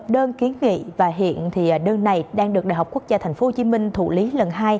đơn kiến nghị và hiện thì đơn này đang được đại học quốc gia tp hcm thủ lý lần hai